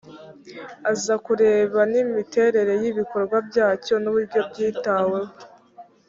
aza kureba n’imiterere y’ibikorwa byacyo n’uburyo byitaweho